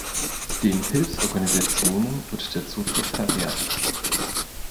Den Hilfsorganisationen wird der Zutritt verwehrt.